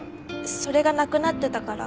それがなくなってたから。